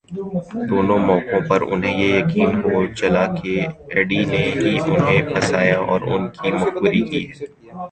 دونوں موقعوں پر انھیں یہ یقین ہو چلا کہ ایڈی نے ہی انھیں پھنسایا اور ان کی مخبری کی ہے۔